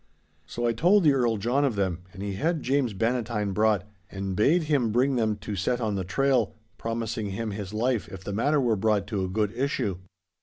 So I told the Earl John of them, and he had James Bannatyne brought, and bade him bring them to set on the trail, promising him his life if the matter were brought to a good issue.